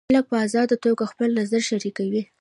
خلک په ازاده توګه خپل نظر شریکوي.